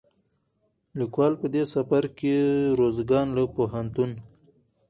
ليکوال په دې سفر کې روزګان له پوهنتون،